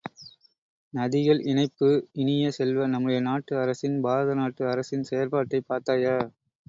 நதிகள் இணைப்பு இனிய செல்வ, நம்முடைய நாட்டு அரசின் பாரத நாட்டு அரசின் செயற்பாட்டைப் பார்த்தாயா?